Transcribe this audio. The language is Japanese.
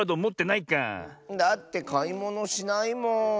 だってかいものしないもん。